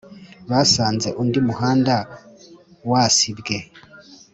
Basanze undi muhanda wasibywe